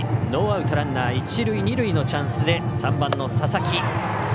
ノーアウト、ランナー一塁二塁のチャンスで３番の佐々木。